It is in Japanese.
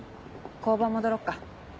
交番戻ろっか。